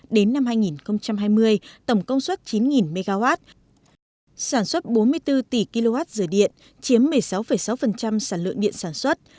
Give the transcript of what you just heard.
đến năm hai nghìn hai mươi tổng công suất chín mw sản xuất bốn mươi bốn tỷ kwh dừa điện chiếm một mươi sáu sáu sản lượng điện sản xuất